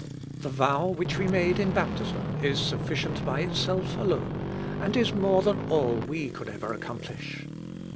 The vow which we made in baptism is sufficient by itself alone, and is more than all we could ever accomplish.